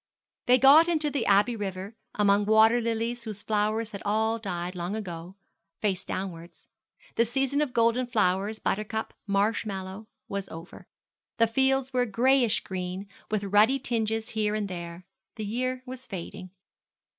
They got into the Abbey river, among water lilies whose flowers had all died long ago, face downwards. The season of golden flowers, buttercup, marsh mallow, was over. The fields were grayish green, with ruddy tinges here and there. The year was fading.